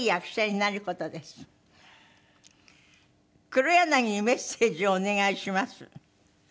「黒柳にメッセージをお願いします」